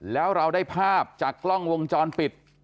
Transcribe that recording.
แล้วเราได้ภาพจากกล้องวงจรปิด